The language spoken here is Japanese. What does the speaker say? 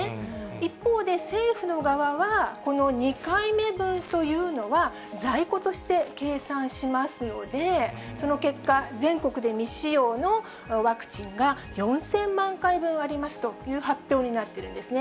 一方で政府の側は、この２回目分というのは在庫として計算しますので、その結果、全国で未使用のワクチンが４０００万回分ありますという発表になってるんですね。